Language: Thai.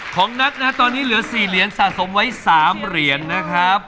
นัทนะฮะตอนนี้เหลือ๔เหรียญสะสมไว้๓เหรียญนะครับ